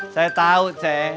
saya tahu ceng